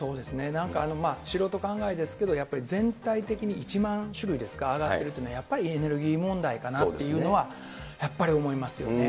なんか素人考えですけども、やっぱり全体的に１万種類ですか、上がっているというのは、やっぱりエネルギー問題かなっていうのは、やっぱり思いますよね。